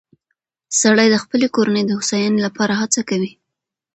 سړی د خپلې کورنۍ د هوساینې لپاره هڅه کوي